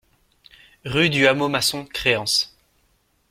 Rue du Hameau Maçon, Créances